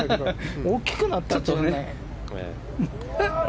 大きくなったというかね。